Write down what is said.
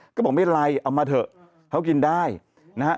ก็บอกไม่ไรเอามาเถอะเขากินได้นะฮะ